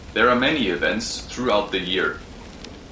There are many events throughout the year.